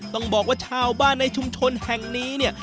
ต้องบอกว่าชาวบ้านในชุมชนแห่งนี้เนี่ย